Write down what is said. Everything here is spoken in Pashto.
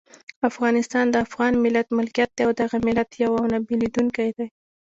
افغانستان د افغان ملت ملکیت دی او دغه ملت یو او نه بېلیدونکی دی.